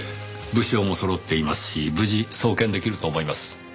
物証もそろっていますし無事送検出来ると思います。